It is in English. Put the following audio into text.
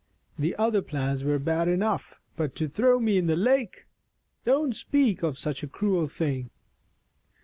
The other plans were bad enough, but to throw me into the lake! Don't speak of such a cruel thing!"